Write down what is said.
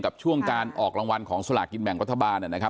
กับช่วงการออกรางวัลของสลากินแบ่งวัฒบาล